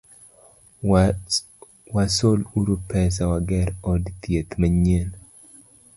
Wasol uru pesa wager od thieth manyien.